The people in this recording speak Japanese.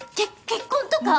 結婚とか！？